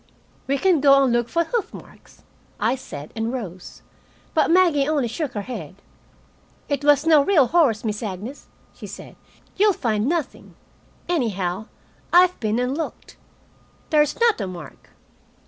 "We can go and look for hoof marks," I said, and rose. But Maggie only shook her head. "It was no real horse, Miss Agnes," she said. "You'll find nothing. Anyhow, I've been and looked. There's not a mark."